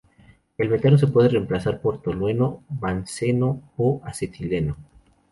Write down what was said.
El metano se puede reemplazar por tolueno, benceno o acetileno.